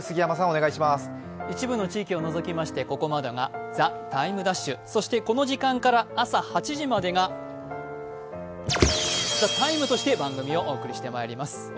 一部の地域を除きましてここまでが「ＴＨＥＴＩＭＥ’」そしてこの時間から朝８時までが「ＴＨＥＴＩＭＥ，」として番組をお伝えしてまいります。